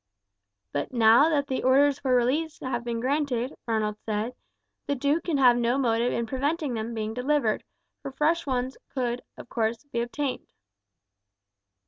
"But now that the orders for release have been granted," Ronald said, "the duke can have no motive in preventing them being delivered, for fresh ones could, of course, be obtained."